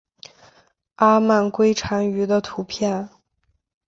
阿曼蛙蟾鱼的图片